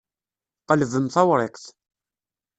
Qelbem tawṛiqt.